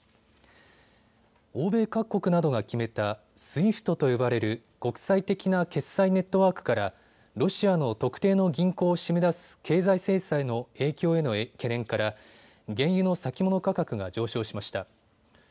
欧米各国などが決めたＳＷＩＦＴと呼ばれる国際的な決済ネットワークからロシアの特定の銀行を締め出す経済制裁の影響への懸念から原油の先物価格が上昇しました。